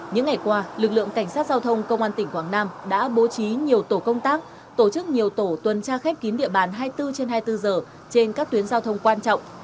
những ngày qua lực lượng cảnh sát giao thông công an tỉnh quảng nam đã bố trí nhiều tổ công tác tổ chức nhiều tổ tuần tra khép kín địa bàn hai mươi bốn trên hai mươi bốn giờ trên các tuyến giao thông quan trọng